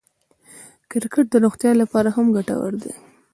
کرکټ د روغتیا له پاره هم ګټور دئ.